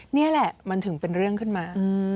นี่แหละมันถึงเป็นเรื่องขึ้นมา